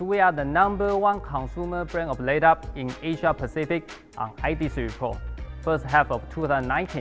kami adalah brand konsumen terbesar di asia pasifik di idc report peringkat pertama dua ribu sembilan belas